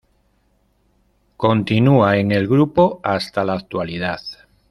Continúa en el grupo hasta la actualidad.